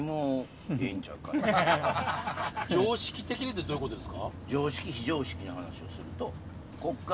常識的にってどういうことですか？